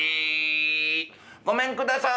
「ごめんください！」。